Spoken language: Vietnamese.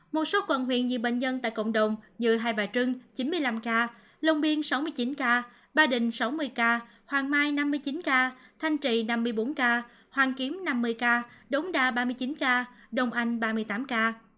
một số quận huyện nhiều bệnh nhân tại cộng đồng như hai bà trưng chín mươi năm ca long biên sáu mươi chín ca ba đình sáu mươi ca hoàng mai năm mươi chín ca thanh trị năm mươi bốn ca hoàn kiếm năm mươi ca đống đa ba mươi chín ca đông anh ba mươi tám ca